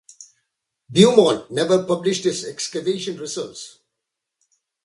Beaumont never published his excavation results.